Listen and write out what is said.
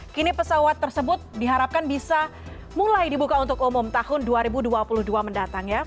kini pesawat tersebut diharapkan bisa mulai dibuka untuk umum tahun dua ribu dua puluh dua mendatang ya